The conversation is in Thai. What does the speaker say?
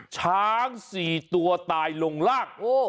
ช้าง๔ตัวตายลงล่าง